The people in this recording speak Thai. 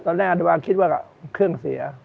ตอนแรกว่าคิดว่าเครื่องเสีย